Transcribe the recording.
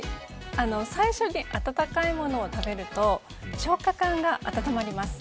最初に温かいものを食べると消化管が温まります。